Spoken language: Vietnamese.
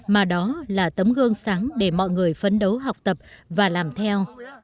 mà đó là tấm gương sáng để mọi người phấn đấu học tập và làm theo